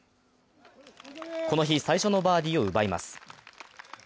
この日最初のバーディーを奪います。